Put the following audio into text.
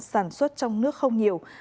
sản xuất trong nước không nhiều